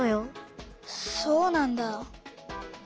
そうなんだ。